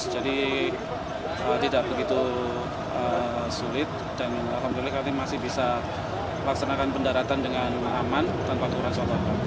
jadi tidak begitu sulit dan alhamdulillah kami masih bisa laksanakan pendaratan dengan aman tanpa kurang sobat